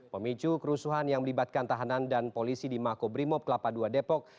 pemicu kerusuhan yang melibatkan tahanan dan polisi di makobrimob kelapa ii depok